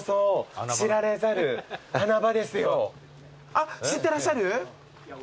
あっ知ってらっしゃる？